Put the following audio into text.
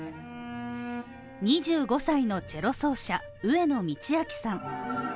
２５歳のチェロ奏者上野通明さん。